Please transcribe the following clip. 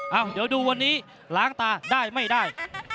เดี๋ยวดูวันนี้ล้างตาได้ไม่ได้